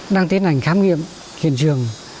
đang tiến hành khám nghiệm hiện trường